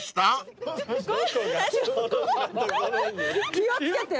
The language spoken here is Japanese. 気を付けて。